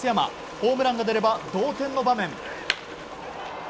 ホームランが出れば同点の場面。